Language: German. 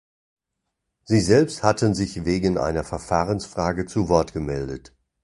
Sie selbst hatten sich wegen einer Verfahrensfrage zu Wort gemeldet.